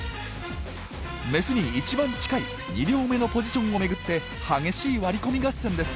メスに一番近い２両目のポジションを巡って激しい割り込み合戦です。